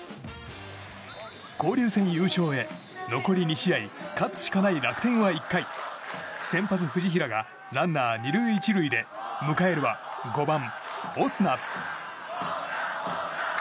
交流戦優勝へ、残り２試合勝つしかない楽天は１回先発、藤平がランナー２塁１塁で迎えるは５番、オスナ。